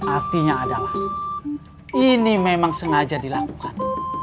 artinya adalah ini memang sengaja dilakukan